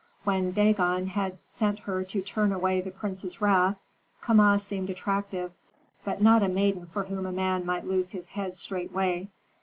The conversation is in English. When Dagon had sent her to turn away the prince's wrath, Kama seemed attractive, but not a maiden for whom a man might lose his head straightway.